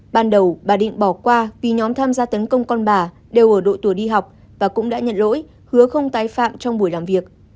ban đầu bà định bỏ qua vì nhóm tham gia tấn công con bà đều ở độ tuổi đi học và cũng đã nhận lỗi hứa không tái phạm trong buổi làm việc